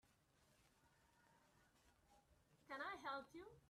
Can I help you?